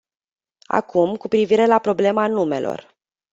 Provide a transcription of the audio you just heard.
Acum, cu privire la problema numelor.